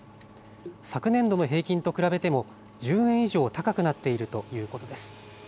昨年度の平均と比べても１０円以上高くなっているということです。